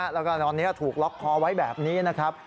แล้วก็ตอนนี้ถูกล็อกคอไว้แบบนี้นะครับ